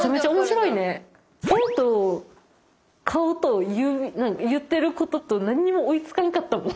手と顔と言ってることと何にも追いつかんかったもん。